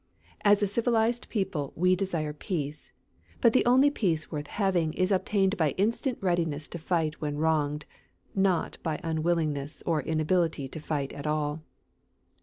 As a civilized people we desire peace, but the only peace worth having is obtained by instant readiness to fight when wronged not by unwillingness or inability to fight at all.